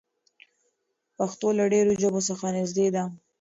پښتو له ډېرو ژبو څخه نږدې ده.